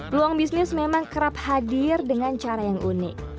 peluang bisnis memang kerap hadir dengan cara yang unik